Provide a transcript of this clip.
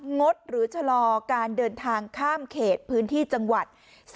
งดหรือชะลอการเดินทางข้ามเขตพื้นที่จังหวัด